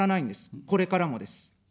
これからもです。